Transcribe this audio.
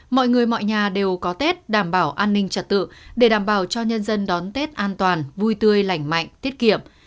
mọi người mọi nhà đều có tết đảm bảo an ninh trật tự để đảm bảo cho nhân dân đón tết an toàn vui tươi lành mạnh tiết kiệm